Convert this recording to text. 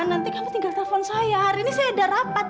nanti kamu tinggal telepon saya hari ini saya ada rapat